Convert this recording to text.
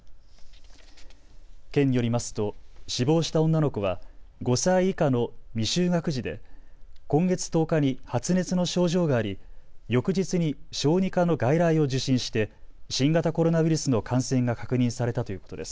県によりますと死亡した女の子は５歳以下の未就学児で今月１０日に発熱の症状があり翌日に小児科の外来を受診して新型コロナウイルスの感染が確認されたということです。